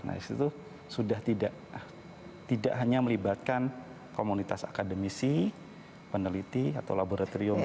nah disitu sudah tidak hanya melibatkan komunitas akademisi peneliti atau laboratorium